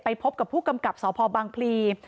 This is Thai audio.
พบกับผู้กำกับสพบางพลี